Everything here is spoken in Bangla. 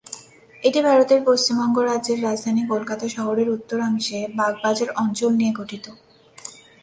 এটি ভারতের পশ্চিমবঙ্গ রাজ্যের রাজধানী কলকাতা শহরের উত্তরাংশে বাগবাজার অঞ্চল নিয়ে গঠিত।